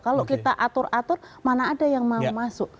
kalau kita atur atur mana ada yang mau masuk